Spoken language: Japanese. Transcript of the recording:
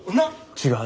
違う。